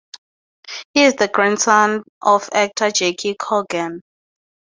He is the grandson of actor Jackie Coogan.